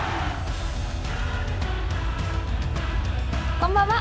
こんばんは。